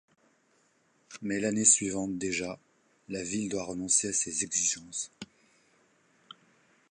Mais l’année suivante déjà, la ville doit renoncer à ces exigences.